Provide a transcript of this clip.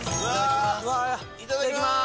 いただきます。